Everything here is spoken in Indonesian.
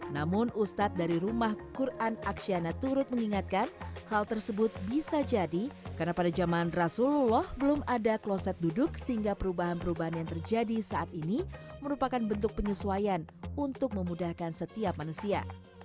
namun ustadz dari rumah quran aksyana turut mengingatkan hal tersebut bisa jadi karena pada zaman rasulullah belum ada kloset duduk sehingga perubahan perubahan yang terjadi saat ini merupakan bentuk penyesuaian untuk memudahkan setiap manusia